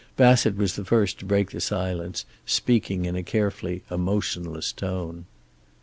Bassett was the first to break the silence, speaking in a carefully emotionless tone.